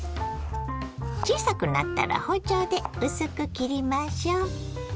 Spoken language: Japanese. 小さくなったら包丁で薄く切りましょ。